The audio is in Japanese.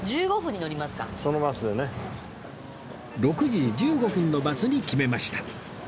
６時１５分のバスに決めました